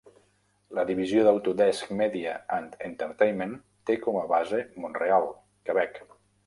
La divisió d'Autodesk Media and Entertainment té com a base Montreal, Quebec.